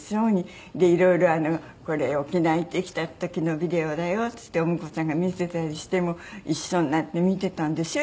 でいろいろ「これ沖縄行ってきた時のビデオだよ」っていってお婿さんが見せたりしても一緒になって見てたんですよ